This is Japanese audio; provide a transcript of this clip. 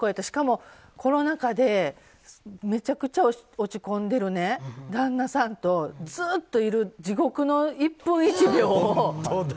しかもコロナ禍でめちゃくちゃ落ち込んでる旦那さんとずっといる地獄の１分１秒を。